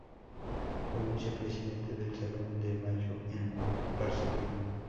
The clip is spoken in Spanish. Fue Vicepresidente del Salón de Mayo de Barcelona.